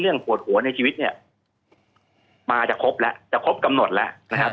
ปวดหัวในชีวิตเนี่ยมาจะครบแล้วจะครบกำหนดแล้วนะครับ